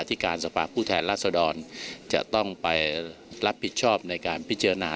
ที่การสภาพผู้แทนราษดรจะต้องไปรับผิดชอบในการพิจารณา